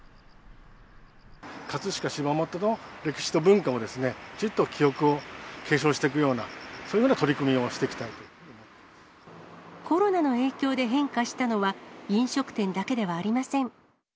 葛飾・柴又の歴史と文化を、きちっと記憶を継承していくような、そういうような取り組みをしコロナの影響で変化したのは、飲食店だけではありません。